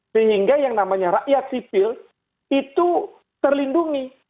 sehingga yang namanya rakyat sipil itu terlindungi